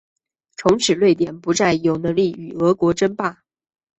从此瑞典不再有能力与俄国争霸。